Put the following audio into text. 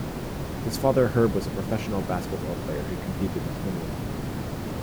His father Herb was a professional basketball player who competed in Finland.